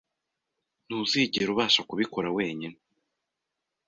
Ntuzigera ubasha kubikora wenyine.